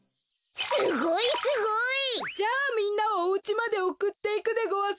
すごいすごい！じゃあみんなをおうちまでおくっていくでごわす。